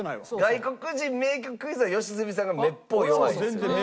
外国人名曲クイズは良純さんがめっぽう弱いんですよね。